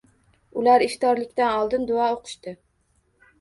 Ular iftorlikdan oldin duo o`qishdi